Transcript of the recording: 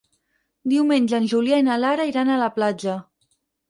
Diumenge en Julià i na Lara iran a la platja.